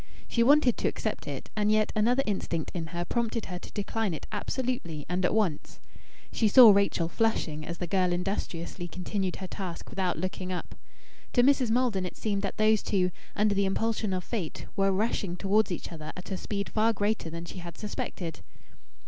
She wanted to accept it; and yet another instinct in her prompted her to decline it absolutely and at once. She saw Rachel flushing as the girl industriously continued her task without looking up. To Mrs. Maldon it seemed that those two, under the impulsion of Fate, were rushing towards each other at a speed far greater than she had suspected.